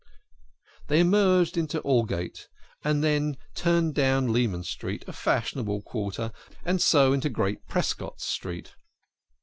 They emerged into Aldgate, and then turned down Leman 24 THE KING OF SCHNORRERS. Street, a fashionable quarter, and so into Great Prescott Street.